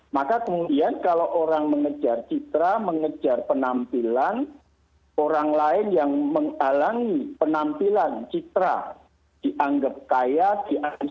maka kemudian kalau orang mengejar citra mengejar penampilan orang lain yang menghalangi penampilan citra dianggap kaya dianggap